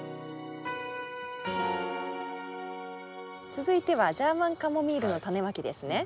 続いてはジャーマンカモミールのタネまきですね？